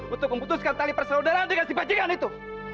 untuk memutuskan tali persaudaraan dengan si bajikan itu